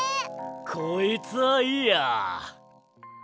こいつはいいや。